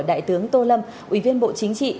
đại tướng tô lâm ủy viên bộ chính trị